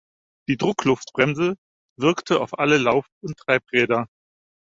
Die Druckluftbremse wirkte auf alle Lauf- und Treibräder.